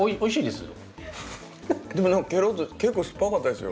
結構酸っぱかったですよ？